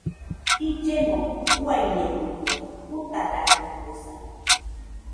Illemo uiañedɨkue, jutadatɨkuesa.